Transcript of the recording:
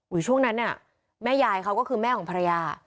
ช่วงนั้นน่ะแม่ยายเขาก็คือแม่ของภรรยา